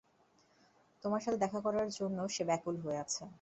তোমার সাথে দেখা করার জন্য সে ব্যাকুল হয়ে আছে।